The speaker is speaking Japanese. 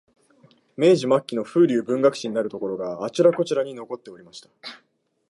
明治末期の風流文学史になるところが、あちらこちらに残っておりました